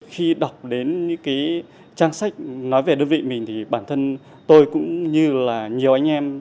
khi đọc đến những cái trang sách nói về đơn vị mình thì bản thân tôi cũng như là nhiều anh em